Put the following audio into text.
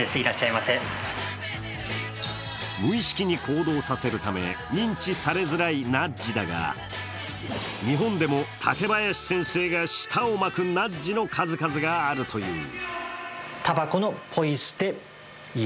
無意識に行動させるため、認知されづらいナッジだが、日本でも、竹林先生が舌を巻くナッジの数々があるという。